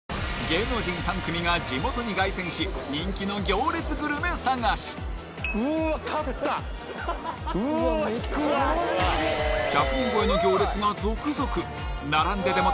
芸能人３組が地元に凱旋し人気の行列グルメ探し１００人超えの行列が続々おいしそう！